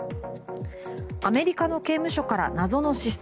アメリカの刑務所から謎の失踪